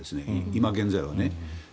今現在は。